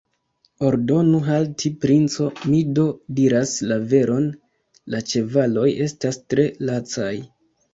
Ordonu halti, princo, mi do diras la veron, la ĉevaloj estas tre lacaj.